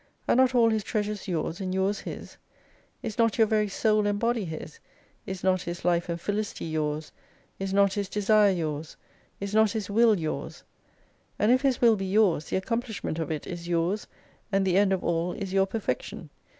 Are not all His treasures yours, and yours His ? Is not your very Soul and Body His : is not His life and felicity yours : is not His desire yours ? Is not His will yours ? And if His will be yours, the accomplishment of it is yours, and the end of all is your perfection.